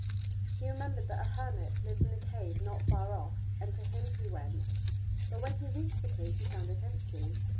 He remembered that a hermit lived in a cave not far off, and to him he went. But when he reached the cave he found it empty.